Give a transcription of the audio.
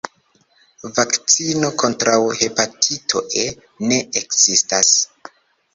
Vakcino kontraŭ hepatito E ne ekzistas.